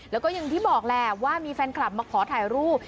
แล้วก็อย่างที่บอกแหละว่ามีแฟนคลับมาขอถ่ายรูป